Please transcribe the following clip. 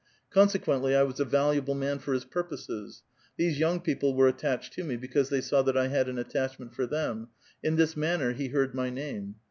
Consequently, I was a valuable man for his purpf>ses ; these young people were attached to mc, because they saw that I had an attachment for them ; in this manner he heard my name.